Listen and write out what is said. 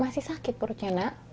masih sakit perutnya nak